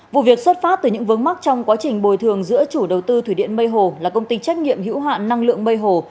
vụ việc xuất phát từ những vướng mắc trong quá trình bồi thường giữa chủ đầu tư thủy điện mây hồ là công ty trách nhiệm hữu hạn năng lượng mây hồ